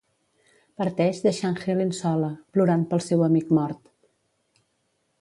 Parteix deixant Helen sola, plorant pel seu amic mort.